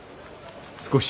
少し。